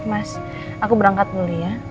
mas aku berangkat dulu ya